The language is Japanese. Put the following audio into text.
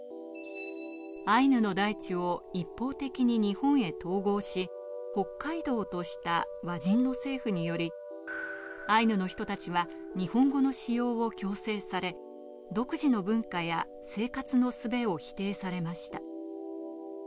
アイヌの大地を一方的に日本へ統合し北海道とした和人の政府により、アイヌの人たちは日本語の使用を強制され、独自の文化や生活の術を否定されました。